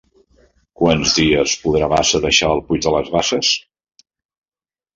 Quants dies podrà Bassa deixar el Puig de les Basses?